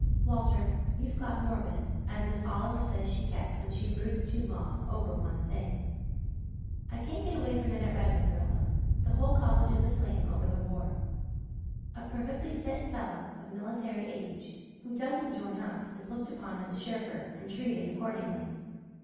"Walter, you've got morbid as Miss Oliver says she gets when she broods too long over one thing." "I can't get away from it at Redmond, Rilla. The whole college is aflame over the war. A perfectly fit fellow, of military age, who doesn't join up is looked upon as a shirker and treated accordingly.